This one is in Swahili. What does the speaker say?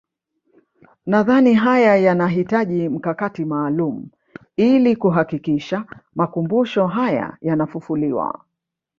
Nadhani haya yanahitaji mkakati maalum ili kuhakikisha makumbusho haya yanafufuliwa